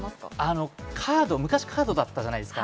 昔カードだったじゃないですか。